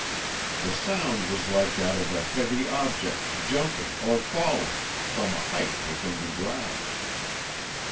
The sound was like that of a heavy object jumping, or falling, from a height within the grounds.